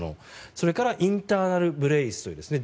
それからインターナル・ブレイスですね。